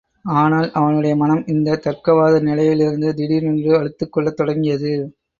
ஆனால், அவனுடைய மனம் இந்தத் தர்க்கவாத நிலையிலிருந்து திடீரென்று அலுத்துக் கொள்ளத் தொடங்கியது.